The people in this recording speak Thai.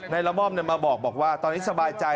นายละม่อมเนี่ยมาบอกว่าตอนนี้สบายใจ